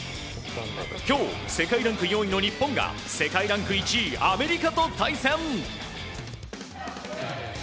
今日、世界ランク４位の日本が世界ランク１位、アメリカと対戦。